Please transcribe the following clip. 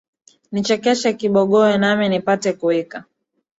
Nichekeshe kibogoyo, nami nipate kuwika,